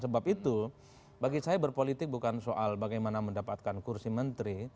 sebab itu bagi saya berpolitik bukan soal bagaimana mendapatkan kursi menteri